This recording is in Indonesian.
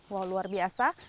wah luar biasa